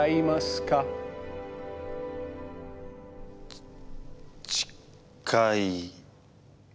ちちかい。